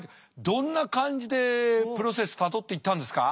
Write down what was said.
どんな感じでプロセスたどっていったんですか？